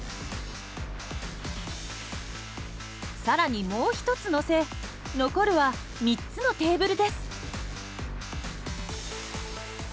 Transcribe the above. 更にもう１つのせ残るは３つのテーブルです。